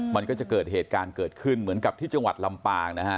มันก็จะเกิดเหตุการณ์เกิดขึ้นเหมือนกับที่จังหวัดลำปางนะฮะ